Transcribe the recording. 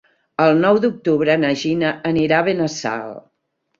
El nou d'octubre na Gina anirà a Benassal.